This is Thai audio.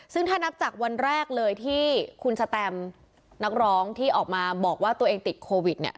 ซึ่งถ้านับจากวันแรกเลยที่คุณสแตมนักร้องที่ออกมาบอกว่าตัวเองติดโควิดเนี่ย